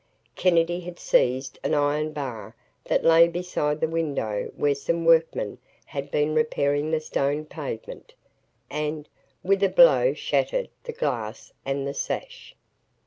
Kennedy had seized an iron bar that lay beside the window where some workmen had been repairing the stone pavement, and, with a blow shattered the glass and the sash.